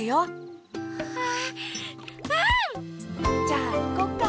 じゃあいこっか？